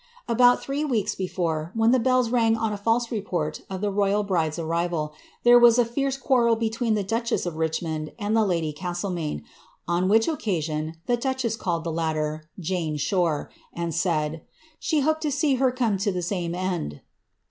About three weeks before, when the bells rang on a false report of the royal bride's arrival, there was a fierce quarrel between the duchess of Richmond and the lady Castlemaine, on which occasion the duchess called the latter ^^ Jane Shore," and said, *^ she hoped to see her come to the same end."